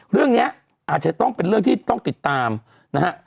เรื่องนี้อาจจะต้องเป็นเรื่องที่ต้องติดตามนะฮะ